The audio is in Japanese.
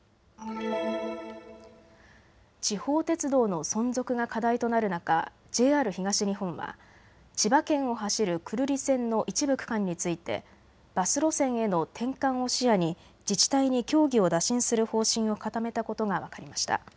地方鉄道の存続が課題となる中、ＪＲ東日本は千葉県を走る久留里線の一部区間についてバス路線への転換を視野に自治体に協議を打診する方針を固めたことが分かりました。